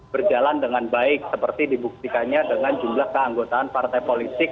berjalan dengan baik seperti dibuktikannya dengan jumlah keanggotaan partai politik